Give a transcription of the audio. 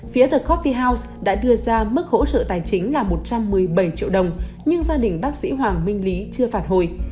phía the cophie house đã đưa ra mức hỗ trợ tài chính là một trăm một mươi bảy triệu đồng nhưng gia đình bác sĩ hoàng minh lý chưa phản hồi